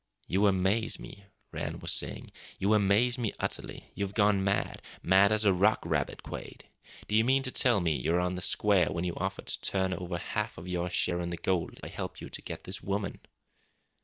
"You amaze me," Rann was saying. "You amaze me utterly. You've gone mad mad as a rock rabbit, Quade! Do you mean to tell me you're on the square when you offer to turn over a half of your share in the gold if I help you to get this woman?"